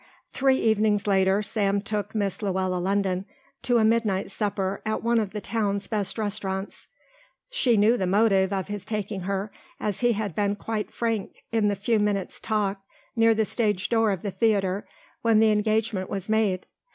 Three evenings later Sam took Miss Luella London to a midnight supper at one of the town's best restaurants. She knew the motive of his taking her, as he had been quite frank in the few minutes' talk near the stage door of the theatre when the engagement was made.